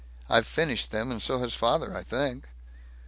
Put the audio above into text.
I've finished them, and so has father, I think."